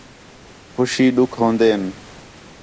خوشی ݙُکھ ہون٘دے ہِن